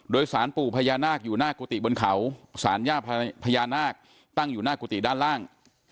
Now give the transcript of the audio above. โดยสารปู่พญานาคอยู่หน้ากุฏิบนเขาสารย่าพญานาคตั้งอยู่หน้ากุฏิด้านล่าง